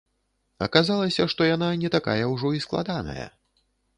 Аказалася, што яна не такая ўжо і складаная.